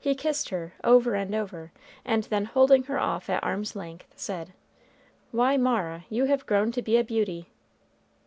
He kissed her over and over, and then holding her off at arm's length, said, "Why, Mara, you have grown to be a beauty!"